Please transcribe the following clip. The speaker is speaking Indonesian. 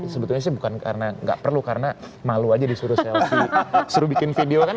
sebetulnya sih bukan karena nggak perlu karena malu aja disuruh selfie disuruh bikin video kan